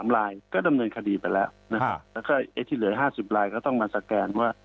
๓ลายก็ดำเนินคดีไปแล้วนะครับแล้วก็ไอ้ที่เหลือ๕๐ลายก็ต้องมาสแกนว่า